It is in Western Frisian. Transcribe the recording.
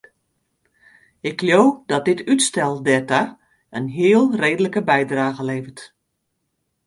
Ik leau dat dit útstel dêrta in heel reedlike bydrage leveret.